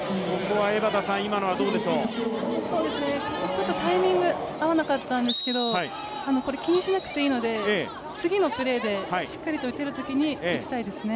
ちょっとタイミング合わなかったんですけど、これ気にしなくていいので、次のプレーでしっかりと打てるときに打ちたいですね。